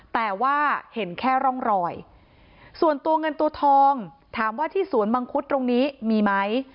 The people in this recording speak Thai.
แต่ว่าเห็นแค่ร่องรอยส่วนตัวเงินตัวทองถามว่าที่สวนมังคุดตรงนี้มีไหม